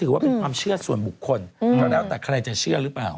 เขาเรามันดื่มนราวเขาเนอะ